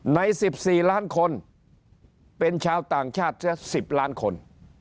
ใน๑๔ล้านคนเป็นชาวต่างชาติเสีย๑๐ล้านคน